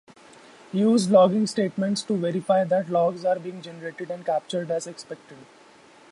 Use logging statements to verify that logs are being generated and captured as expected.